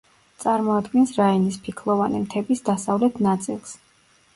წარმოადგენს რაინის ფიქლოვანი მთების დასავლეთ ნაწილს.